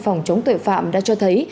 phòng chống tuệ phạm đã cho thấy